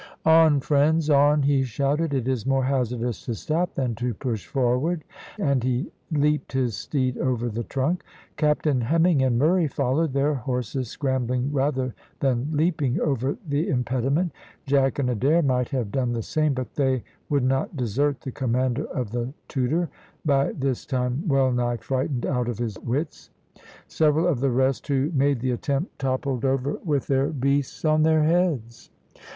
"On, friends, on," he shouted. "It is more hazardous to stop than to push forward." And he leapt his steed over the trunk. Captain Hemming and Murray followed, their horses scrambling rather than leaping over the impediment. Jack and Adair might have done the same, but they would not desert the commander of the Tudor, by this time well nigh frightened out of his wits. Several of the rest who made the attempt toppled over with their beasts on their heads.